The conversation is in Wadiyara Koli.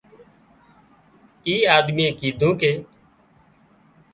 اي آۮميئي ڪيڌون ڪي